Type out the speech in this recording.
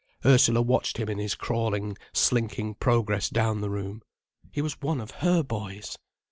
Ursula watched him in his crawling, slinking progress down the room. He was one of her boys!